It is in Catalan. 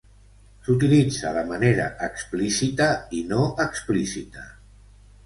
S'utilitza de manera explícita i no explícita.